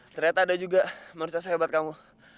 ternyata ada juga manusia sehebat kamu